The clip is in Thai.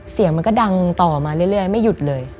เสียงมันก็ดังต่อมาเรื่อยไม่หยุดเลย